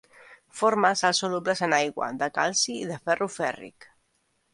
Forma sals solubles en aigua de calci i de ferro fèrric.